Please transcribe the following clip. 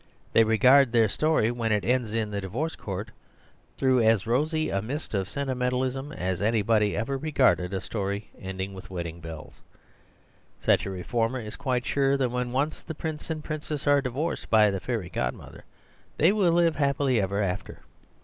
They regard their story, when it ends in the divorce court, through as rosy a mist of sentimentalism as anybody ever re garded a story ending with wedding bells. Such a reformer is quite sure that when once the prince and princess are divorced by the fairy godmother, they will live happily ever after.